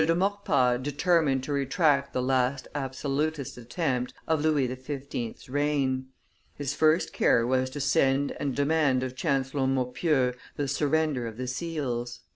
de Maurepas determined to retract the last absolutist attempt of Louis XV.'s reign; his first care was to send and demand of Chancellor Maupeou the surrender of the seals.